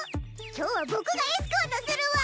今日は僕がエスコートするわ。